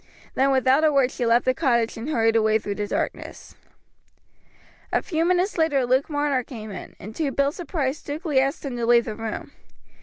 Then without a word she left the cottage and hurried away through the darkness. A few minutes later Luke Marner came in, and to Bill's surprise Stukeley asked him to leave the room.